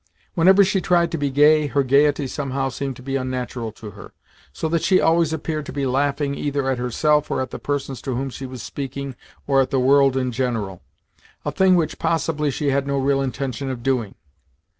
Whenever she tried to be gay, her gaiety somehow seemed to be unnatural to her, so that she always appeared to be laughing either at herself or at the persons to whom she was speaking or at the world in general a thing which, possibly, she had no real intention of doing.